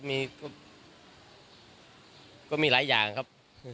มีก็มีหลายอย่างครับ